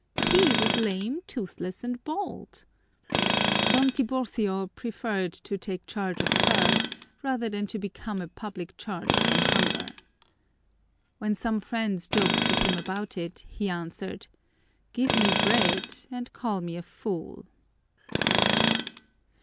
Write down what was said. He was lame, toothless, and bald! Don Tiburcio preferred to take charge of her rather than to become a public charge from hunger. When some friends joked with him about it, he answered, "Give me bread and call me a fool."